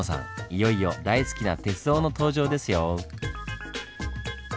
いよいよ大好きな鉄道の登場ですよ！